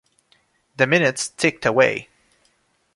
The minutes ticked away.